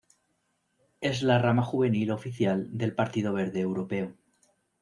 Es la rama juvenil oficial del Partido Verde Europeo.